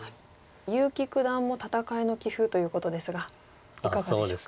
結城九段も戦いの棋風ということですがいかがでしょうか？